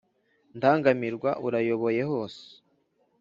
ndangamirwa urayoboye hose